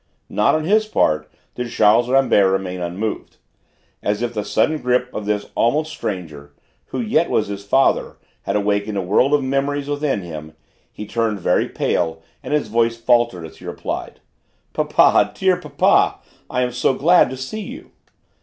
Nor, on his part, did Charles Rambert remain unmoved. As if the sudden grip of this almost stranger, who yet was his father, had awakened a world of memories within him, he turned very pale and his voice faltered as he replied: "Papa! Dear papa! I am so glad to see you!"